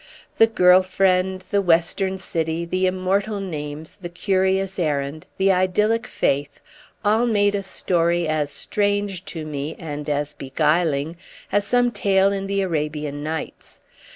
The "girl friend," the western city, the immortal names, the curious errand, the idyllic faith, all made a story as strange to me, and as beguiling, as some tale in the Arabian Nights.